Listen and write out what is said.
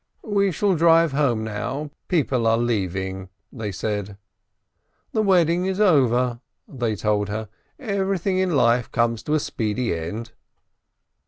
"We shall drive home now, people are leaving," they said. "The wedding is over," they told her, "everything in life comes to a speedy end."